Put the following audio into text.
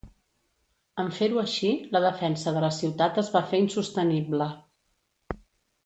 En fer-ho així, la defensa de la ciutat es va fer insostenible.